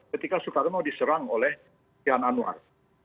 ketika soekarno diserang oleh tian anwar